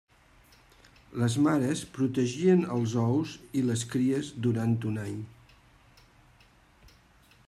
Les mares protegien els ous i les cries durant un any.